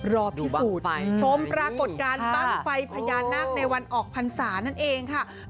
รอพิสูจน์ชมปรากฏการณ์ตั้งไฟพญานาคในวันออกพรรษานั่นเองค่ะครับดูบังไหนนี่